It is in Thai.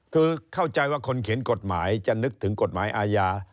คือเข้าใจว่าคนเขียนกฎหมายจะนึกถึงกฎหมายอาญา